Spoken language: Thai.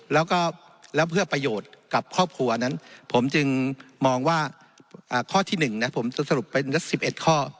แล้วก็แล้วเพื่อประโยชน์กับครอบครัวนั้นผมจึงมองว่าข้อที่๑นะผมจะสรุปเป็น๑๑ข้อ